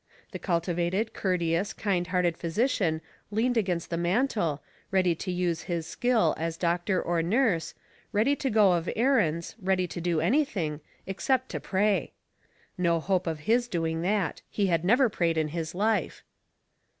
The cultivated, courteous, kind hearted ph3'sician leaned against the mantel, ready to use his skill as doctor or nurse, ready to go of er rands, ready to do anything, except to pra^. No hope of his doing that ; he had never prayed in his life.